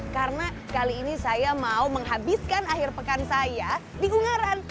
karena kali ini saya mau menghabiskan akhir pekan saya di ungaran